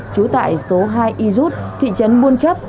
chú tại số hai y rút thị trấn buôn chấp